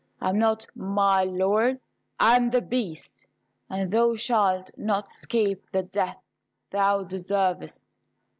I am not 'my Lord;' I am The Beast; and thou shalt not escape the death thou deservest."